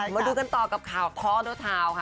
มาดูกันต่อกับข่าวพ่อแล้วเท้าค่ะ